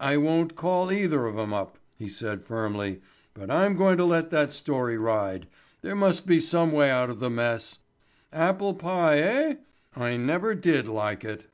"I won't call either of 'em up," he said firmly, "but I'm going to let that story ride. There must be some way out of the mess. Apple pie, eh? I never did like it."